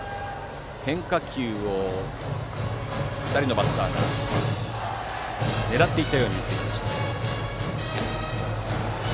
変化球を２人のバッターが狙っていったように打っていきました。